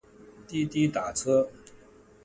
滴滴打车